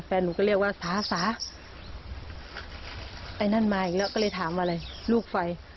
แฟนหนูก็เรียกว่าสาสาไอ้นั่นมาอีกแล้วก็เลยถามอะไรลูกไฟ